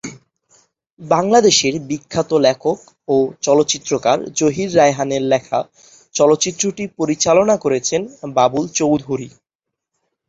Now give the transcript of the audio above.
বাংলাদেশের বিখ্যাত লেখক ও চলচ্চিত্রকার জহির রায়হানের লেখা চলচ্চিত্রটি পরিচালনা করেছেন বাবুল চৌধুরী।